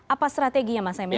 apa strategi ya mas emil